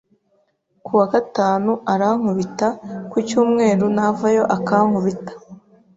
ku wa gatanu akankubita, ku cyumweru navayo akankubita